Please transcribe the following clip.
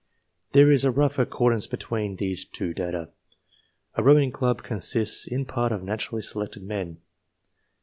There is a rough accordance between these two data. A rowing club consists in part of naturally selected men.